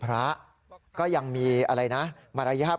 พระขู่คนที่เข้าไปคุยกับพระรูปนี้